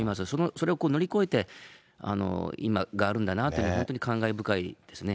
それを乗り越えて、今があるんだなというふうに、本当に感慨深いですね。